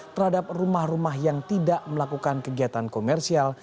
terhadap rumah rumah yang tidak melakukan kegiatan komersial